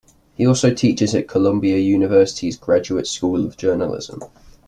He also teaches at Columbia University's Graduate School of Journalism.